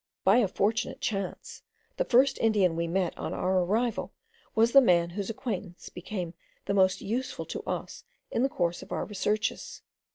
By a fortunate chance, the first Indian we met on our arrival was the man whose acquaintance became the most useful to us in the course of our researches.